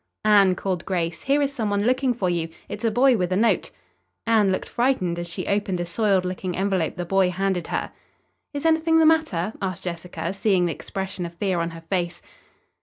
"Anne," called Grace, "here is some one looking for you. It's a boy with a note." Anne looked frightened as she opened a soiled looking envelope the boy handed her. "Is anything the matter?" asked Jessica, seeing the expression of fear on her face.